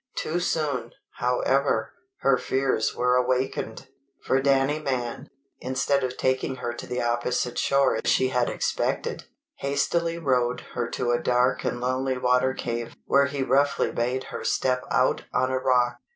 Too soon, however, her fears were awakened; for Danny Mann, instead of taking her to the opposite shore as she had expected, hastily rowed her to a dark and lonely water cave, where he roughly bade her step out on a rock.